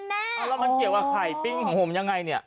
แล้วมันเกี่ยวกับไข่ปิ้งของผมยังไงเนี่ย